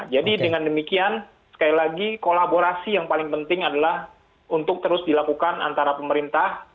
jadi dengan demikian sekali lagi kolaborasi yang paling penting adalah untuk terus dilakukan antara pemerintah